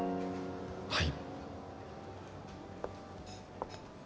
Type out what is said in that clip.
はい。